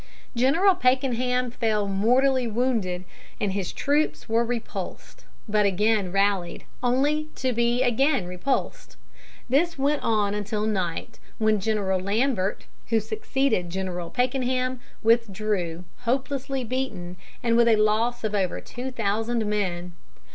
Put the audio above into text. General Pakenham fell mortally wounded, and his troops were repulsed, but again rallied, only to be again repulsed. This went on until night, when General Lambert, who succeeded General Pakenham, withdrew, hopelessly beaten, and with a loss of over two thousand men.